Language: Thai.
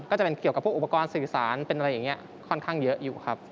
ก็จะเป็นเกี่ยวกับพวกอุปกรณ์สื่อสารเป็นอะไรอย่างนี้ค่อนข้างเยอะอยู่ครับ